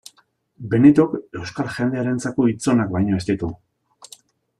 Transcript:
Benitok euskal jendearentzako hitz onak baino ez ditu.